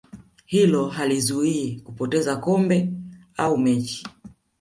hilo halizuii kupoteza kombe au mechi